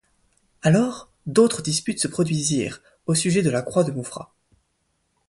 Alors, d'autres disputes se produisirent, au sujet de la Croix-de-Maufras.